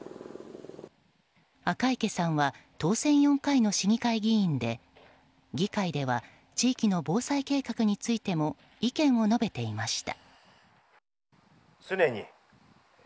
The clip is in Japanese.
赤池さんは当選４回の市議会議員で議会では地域の防災計画についても意見を述べていました。